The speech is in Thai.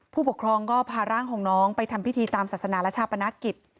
ผู้ปกครองก็พาร่างของน้องไปทำพิธีตามศาสนาและชาปนกิจ